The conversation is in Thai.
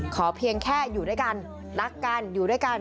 เพียงแค่อยู่ด้วยกันรักกันอยู่ด้วยกัน